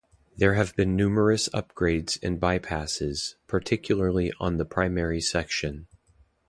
There have been numerous upgrades and bypasses, particularly on the primary section.